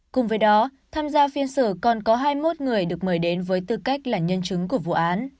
cùng với đó tham gia phiên xử còn có hai mươi một người được mời đến với tư cách là nhân chứng của vụ án